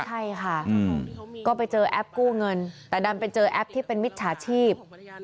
ใช่ค่ะก็ไปเจอแอปกู้เงินแต่ดันไปเจอแอปที่เป็นมิจฉาชีพ